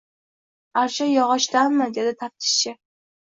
— Archa yog‘ochdanmidi? — dedi taftishchi.